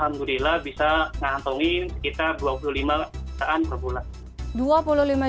alhamdulillah bisa ngantongi sekitar dua puluh lima jutaan per bulan